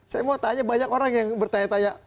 saya mau tanya banyak orang yang bertanya tanya